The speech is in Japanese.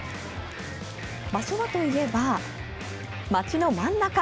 場所はといえば、街の真ん中。